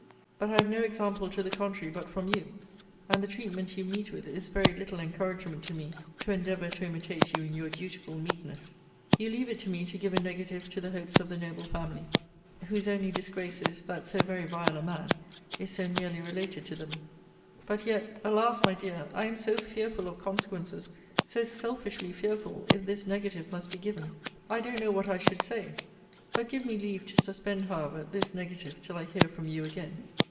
But I have no example to the contrary but from you: and the treatment you meet with is very little encouragement to me to endeavour to imitate you in your dutiful meekness. You leave it to me to give a negative to the hopes of the noble family, whose only disgrace is, that so very vile a man is so nearly related to them. But yet alas! my dear, I am so fearful of consequences, so selfishly fearful, if this negative must be given I don't know what I should say but give me leave to suspend, however, this negative till I hear from you again.